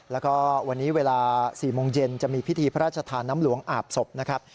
แล้วก็วันนี้เวลา๔โมงเย็นจะมีพิธีพระราชทานน้ำหลวงอาบศพนะครับ